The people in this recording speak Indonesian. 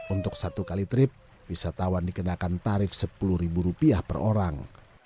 untuk satu kali trip wisatawan dikenakan tarif sepuluh rupiah per orang